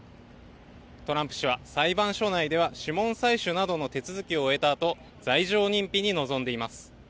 トランプ氏は裁判所内では指紋採取などの手続きを終えたあと罪状認否に臨んでいます。